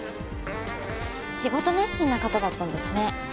仕事熱心な方だったんですね。